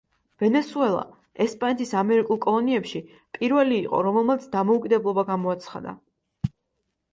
ვენესუელა ესპანეთის ამერიკულ კოლონიებში პირველი იყო რომელმაც დამოუკიდებლობა გამოაცხადა.